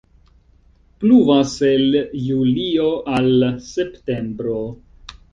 Pluvas el julio al septembro.